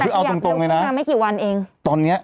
พี่มอสแต่ขยับเร็วครึ่งค่ะไม่กี่วันเองคือเอาตรงเลยนะ